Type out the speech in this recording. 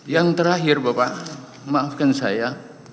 yang terakhir bapak maafkan saya